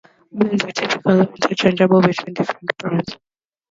Blades are typically interchangeable between different brands.